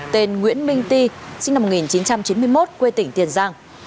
tên nguyễn minh ti sinh năm một nghìn chín trăm chín mươi một quê tỉnh tiền giang